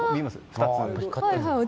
２つ。